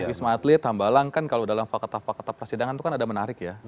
wisma atlet hambalang kan kalau dalam fakta fakta persidangan itu kan ada menarik ya